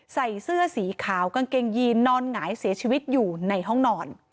ใส่เสื้อสีขาวกางเกงยีนนอนหงายเสียชีวิตอยู่ในห้องนอน